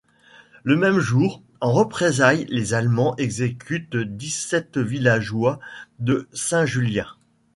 Le même jour, en représailles, les Allemands exécutent dix-sept villageois de Saint-Julien.